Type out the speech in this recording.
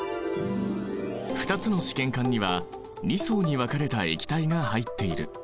２つの試験管には２層に分かれた液体が入っている。